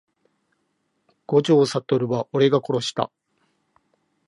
五条悟は俺が殺した…